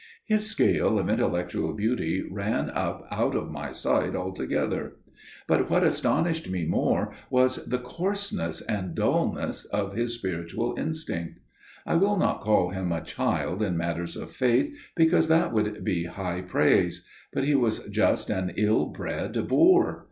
His scale of intellectual beauty ran up out of my sight altogether. But what astonished me more was the coarseness and dulness of his spiritual instinct. I will not call him a child in matters of faith, because that would be high praise; but he was just an ill bred boor.